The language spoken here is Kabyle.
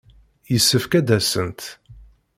Yessefk ad d-asent.